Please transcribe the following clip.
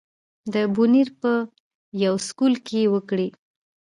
د بونېر پۀ يو سکول کښې وکړې